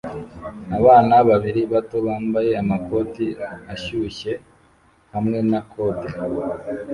Abana babiri bato bambaye amakoti ashyushye hamwe na kode